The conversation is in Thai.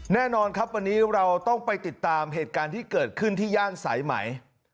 แน่นอนครับวันนี้เราต้องไปติดตามเหตุการณ์ที่เกิดขึ้นที่ย่านสายไหม